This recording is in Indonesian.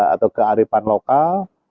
atau kearifan lokal